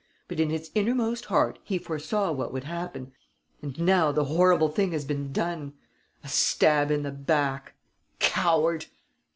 But in his innermost heart he foresaw what would happen.... And now the horrible thing has been done. A stab in the back! Coward!